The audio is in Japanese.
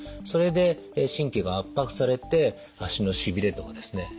それで神経が圧迫されて足のしびれとかですね